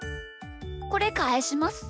これかえします。